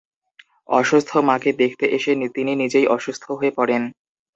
অসুস্থ মাকে দেখতে এসে তিনি নিজেই অসুস্থ হয়ে পড়েন।